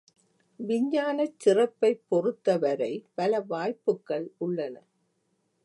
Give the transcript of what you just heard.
விஞ்ஞானச் சிறப்பைப் பொறுத்த வரை பல வாய்ப்புக்கள் உள்ளன.